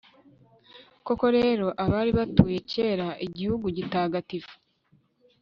koko rero, abari batuye kera igihugu gitagatifu